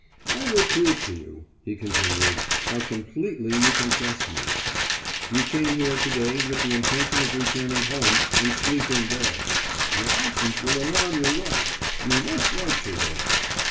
"I will prove to you," he continued, "how completely you can trust me. You came here to day with the intention of returning home and sleeping there. Your absence will alarm your wife. You must write to her."